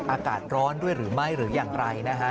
อากาศร้อนด้วยหรือไม่หรืออย่างไรนะฮะ